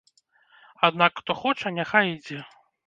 Аднак, хто хоча, няхай ідзе.